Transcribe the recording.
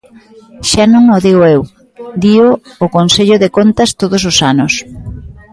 Xa non o digo eu, dío o Consello de Contas todos os anos.